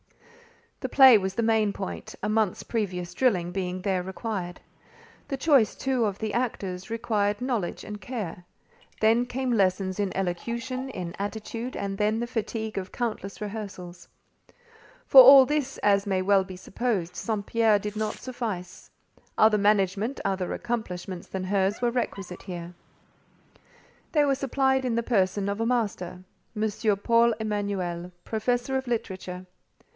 The play was the main point; a month's previous drilling being there required. The choice, too, of the actors required knowledge and care; then came lessons in elocution, in attitude, and then the fatigue of countless rehearsals. For all this, as may well be supposed, St. Pierre did not suffice: other management, other accomplishments than hers were requisite here. They were supplied in the person of a master—M. Paul Emanuel, professor of literature.